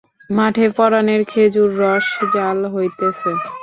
মাঠে পরাণের খেজুররস জ্বাল হইতেছে।